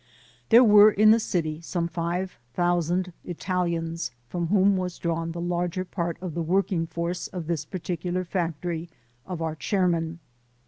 There were in the city some five thousand Italians, from whom was drawn the larger part of the working force of this particular factory of our chairman.